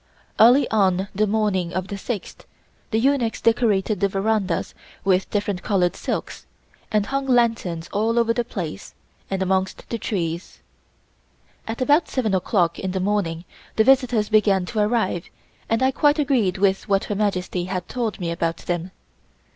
Early on the morning of the sixth, the eunuchs decorated the verandas with different colored silks and hung lanterns all over the place and amongst the trees. At about seven o'clock in the morning the visitors began to arrive and I quite agreed with what Her Majesty had told me about them.